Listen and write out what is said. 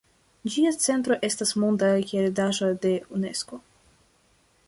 Ĝia centro estas Monda heredaĵo de Unesko.